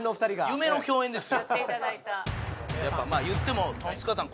夢の共演ですよ。